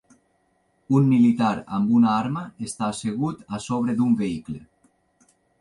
Un militar amb una arma està assegut a sobre d'un vehicle.